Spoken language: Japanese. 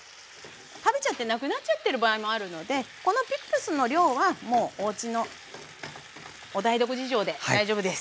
食べちゃってなくなっちゃってる場合もあるのでこのピクルスの量はもうおうちのお台所事情で大丈夫です。